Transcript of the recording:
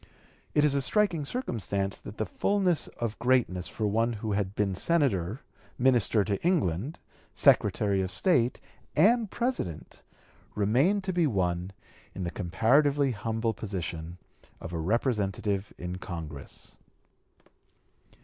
It is a striking circumstance that the fullness of greatness for one who had been Senator, Minister to England, Secretary of State, and President, remained to be won in the comparatively humble position of a Representative in Congress.